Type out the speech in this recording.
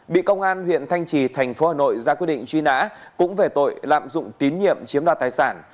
bị công an huyện thanh trì thành phố hà nội ra quyết định truy nã cũng về tội lạm dụng tín nhiệm chiếm đoạt tài sản